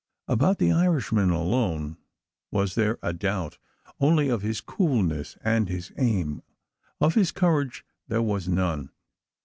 About the Irishman alone was there a doubt only of his coolness and his aim of his courage there was none.